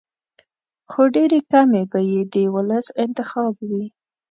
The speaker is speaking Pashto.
خو ډېرې کمې به یې د ولس انتخاب وي.